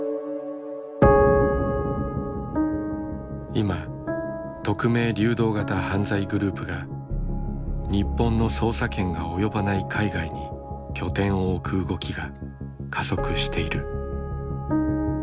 今匿名・流動型犯罪グループが日本の捜査権が及ばない海外に拠点を置く動きが加速している。